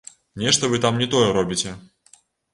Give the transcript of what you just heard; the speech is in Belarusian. Нешта вы там не тое робіце!